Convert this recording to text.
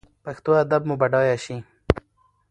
پښتو ادب مو بډایه شي.